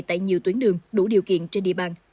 tại nhiều tuyến đường đủ điều kiện trên địa bàn